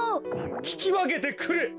ききわけてくれ！